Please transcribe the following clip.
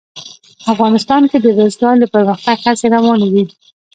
افغانستان کې د بزګان د پرمختګ هڅې روانې دي.